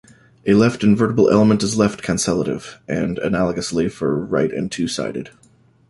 A left-invertible element is left-cancellative, and analogously for right and two-sided.